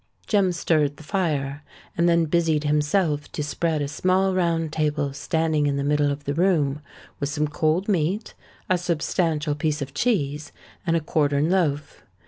Jem stirred the fire, and then busied himself to spread a small round table standing in the middle of the room, with some cold meat, a substantial piece of cheese, and a quartern loaf.